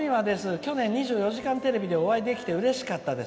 去年「２４時間テレビ」でお会いできてうれしかったです」。